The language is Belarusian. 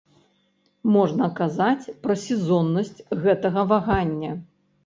Можна казаць пра сезоннасць гэтага вагання.